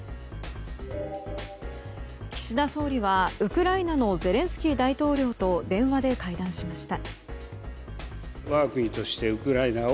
岸田総理は、ウクライナのゼレンスキー大統領と電話で会談しました。